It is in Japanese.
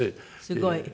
すごい。